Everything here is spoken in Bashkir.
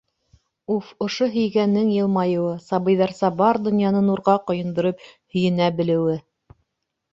Уф, ошо һөйгәнең йылмайыуы, сабыйҙарса бар донъяны нурға ҡойондороп һөйөнә белеүе!